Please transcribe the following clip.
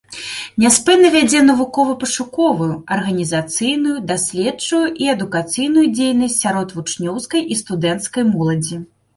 Няспынна вядзе навукова-пошукавую, арганізацыйную, даследчую і адукацыйную дзейнасць сярод вучнёўскай і студэнцкай моладзі.